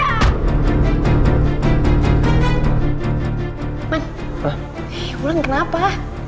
eh mulan kenapa